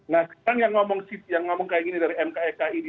nah sekarang yang ngomong kayak gini dari mkek ini